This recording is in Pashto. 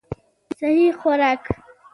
سهي خوراک